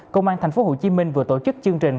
công an thành phố hồ chí minh vừa tổ chức chương trình